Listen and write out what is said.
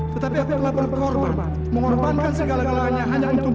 tetapi aku telah berkorban mengorbankan segala kelahannya hanya untukmu